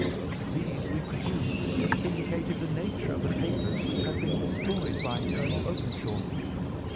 These, we presume, indicated the nature of the papers which had been destroyed by Colonel Openshaw.